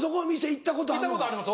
行ったことあります